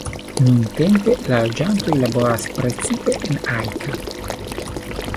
Nuntempe la loĝantoj laboras precipe en Ajka.